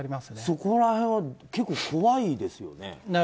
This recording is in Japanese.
そこら辺は、結構怖いですよね。